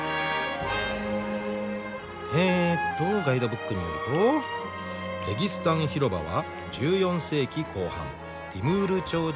えっとガイドブックによるとレギスタン広場は１４世紀後半ティムール朝時代に造られた。